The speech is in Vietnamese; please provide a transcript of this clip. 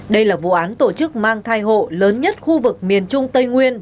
đây là vụ án tổ chức mang thai hộ lớn nhất khu vực miền trung tây nguyên